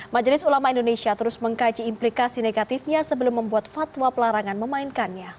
majelis ulama indonesia terus mengkaji implikasi negatifnya sebelum membuat fatwa pelarangan memainkannya